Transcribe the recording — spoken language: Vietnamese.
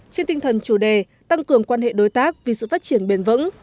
trên tinh thần chủ đề tăng cường quan hệ đối tác vì sự phát triển bền vững